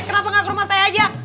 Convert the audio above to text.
kenapa nggak ke rumah saya aja